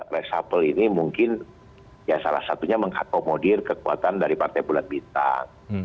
reshuffle ini mungkin ya salah satunya mengakomodir kekuatan dari partai bulan bintang